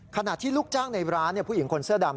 ขณะที่ลูกจ้างในร้านผู้หญิงคนเสื้อดำ